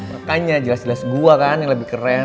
makanya jelas jelas gua kan yang lebih keren